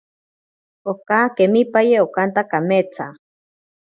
Oka kemipaye okanta kametsa.